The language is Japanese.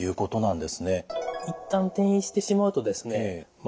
一旦転移してしまうとですね